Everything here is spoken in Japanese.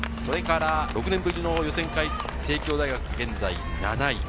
６年ぶりの予選会、帝京大学、現在７位。